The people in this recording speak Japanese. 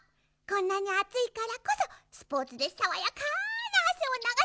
こんなにあついからこそスポーツでさわやかなあせをながすのです。